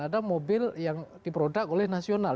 ada mobil yang diproduk oleh nasional